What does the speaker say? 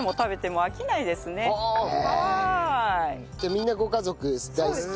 じゃあみんなご家族大好き？